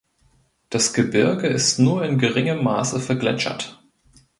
Das Gebirge ist nur in geringem Maße vergletschert.